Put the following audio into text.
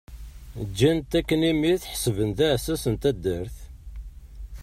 Ǧǧan-t akken imi t-ḥesben d aɛessas n taddart.